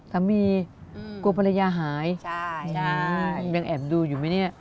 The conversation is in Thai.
สามีอืมกลัวภรรยาหายใช่ใช่ยังแอบดูอยู่ไหมเนี่ย